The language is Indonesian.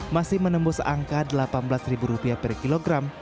masih menembus angka rp delapan belas per kilogram